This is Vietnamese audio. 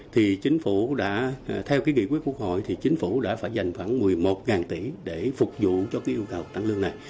thì chính phủ đã theo cái nghị quyết của hội thì chính phủ đã phải dành khoảng một mươi một tỷ để phục vụ cho cái yêu cầu tăng lương này